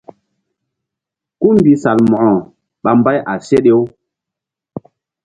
Kú mbi Salmo̧ko ɓa mbay a seɗe-u.